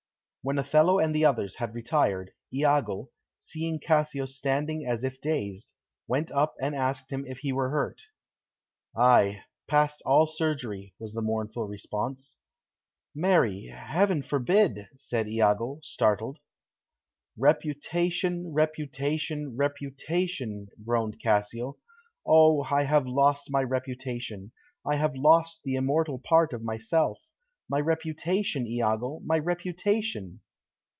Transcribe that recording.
When Othello and the others had retired, Iago, seeing Cassio standing as if dazed, went up and asked him if he were hurt. "Ay, past all surgery," was the mournful response. "Marry, Heaven forbid!" said Iago, startled. "Reputation, reputation, reputation!" groaned Cassio. "O, I have lost my reputation! I have lost the immortal part of myself. My reputation, Iago, my reputation!"